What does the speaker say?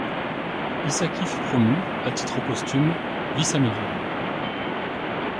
Isaki fut promu à titre posthume vice-amiral.